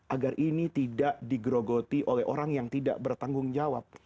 agar ini tidak digerogoti oleh orang yang tidak bertanggung jawab